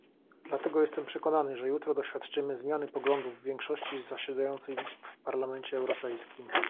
Dlatego jestem przekonany, że jutro doświadczymy zmiany poglądów większości zasiadającej w Parlamencie Europejskim